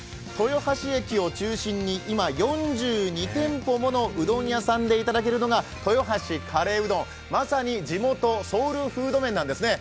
豊橋駅を中心に今、４２店舗ものうどん屋さんで頂けるのが豊橋カレーうどん、まさに地元ソウルフード麺なんです。